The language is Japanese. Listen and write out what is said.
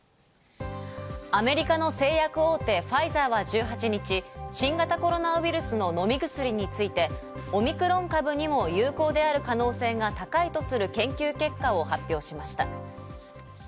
アメリカの製薬大手ファイザーは１８日、新型コロナウイルスの飲み薬についてオミクロン株にも有効である可能性が高いとする研究結果を発表しました。